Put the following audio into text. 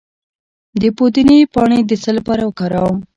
د پودینې پاڼې د څه لپاره وکاروم؟